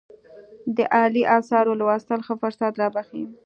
د عالي آثارو لوستل ښه فرصت رابخښي.